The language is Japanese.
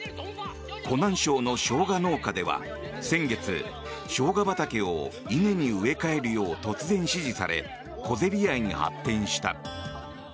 湖南省のショウガ農家では先月、ショウガ畑を稲に植え替えるよう突然指示され小競り合いに発展した。